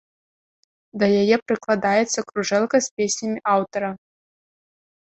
Да яе прыкладаецца кружэлка з песнямі аўтара.